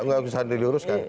tidak usah diluruskan